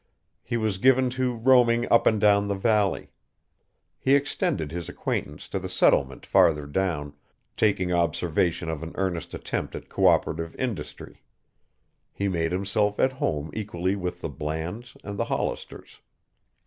He was given to roaming up and down the valley. He extended his acquaintance to the settlement farther down, taking observation of an earnest attempt at coöperative industry. He made himself at home equally with the Blands and the Hollisters.